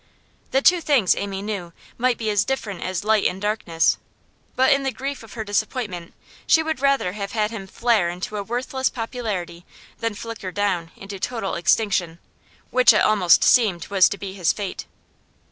The two things, Amy knew, might be as different as light and darkness; but in the grief of her disappointment she would rather have had him flare into a worthless popularity than flicker down into total extinction, which it almost seemed was to be his fate.